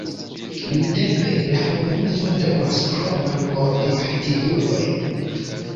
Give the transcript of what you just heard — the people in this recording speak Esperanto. Nuntempe la organizo dormas pro manko de aktivuloj.